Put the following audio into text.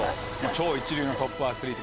超一流のトップアスリート。